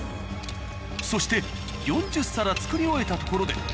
そして４０皿作り終えたところで。